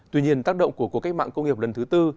tuy nhiên tác động của cuộc cách mạng công nghiệp lần thứ tư